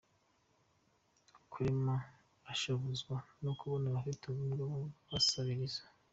Karema ashavuzwa no kubona abafite ubumuga basabiriza.